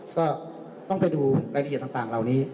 ก็ต้องไปดูรายละเอียดต่างเหล่านี้